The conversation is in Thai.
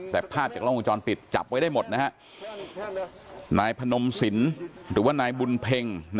แต่ภาพจากล้องวงจรปิดจับไว้ได้หมดนะฮะนายพนมสินหรือว่านายบุญเพ็ง